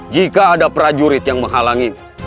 jika ada prajurit yang menghalangi